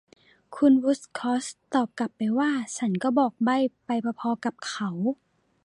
คุณวูดคอร์ทตอบกลับไปว่า ฉันก็บอกใบ้ไปพอ ๆ กับเขา